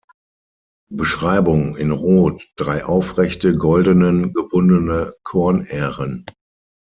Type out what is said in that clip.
Beschreibung: In Rot drei aufrechte goldenen gebundene Kornähren.